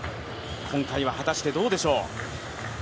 今回は果たしてどうでしょう？